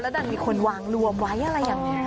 ดันมีคนวางรวมไว้อะไรอย่างนี้